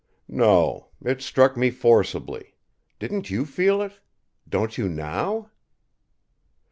"No. It struck me forcibly. Didn't you feel it? Don't you, now?"